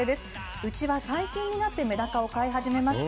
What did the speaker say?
うちは最近になってメダカを飼い始めました。